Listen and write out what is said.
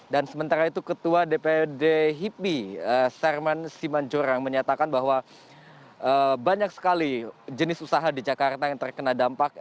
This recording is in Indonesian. dan sementara itu ketua dpd hipi sermon simanjorang menyatakan bahwa banyak sekali jenis usaha di jakarta yang terkena dampak